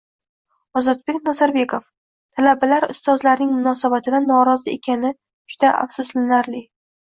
Ozodbek Nazarbekov: “Talabalar ustozlarning munosabatidan norozi ekani juda afsuslanarli”